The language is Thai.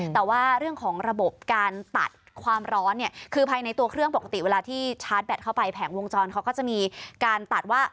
แต่ว่าเรื่องของระบบการตัดความร้อนเนี่ยคือภายในตัวเครื่องปกติเวลาที่ชาร์จแบตเข้าไปแผงวงจรเขาก็จะมีการตัดว่า